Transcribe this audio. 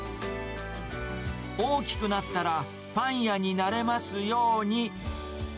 大きくなったらパン屋になれますように。